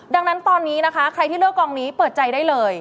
ดังนั้นตอนนี้นะคะใครที่เลือกกองนี้เปิดใจได้เลย